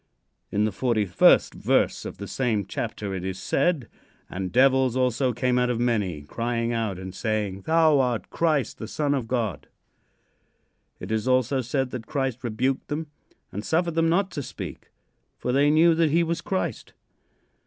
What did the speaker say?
In the forty first verse of the same chapter it is said: "And devils also came out of many, crying out and saying, 'Thou art Christ, the Son of God.'" It is also said that Christ rebuked them and suffered them not to speak, for they knew that he was Christ.